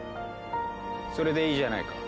それでいいじゃないか。